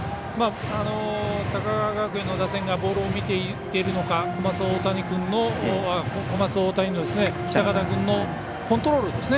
高川学園の打線がボールを見ていけるのか小松大谷の北方君のコントロールですね。